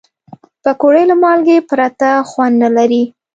پکورې له مالګې پرته خوند نه لري